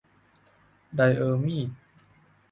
ไดออมีด